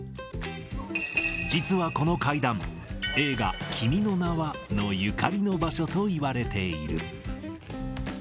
実はこの階段、映画、君の名は。のゆかりの場所といわれている。